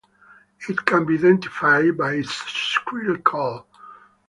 It can be identified by its shrill call.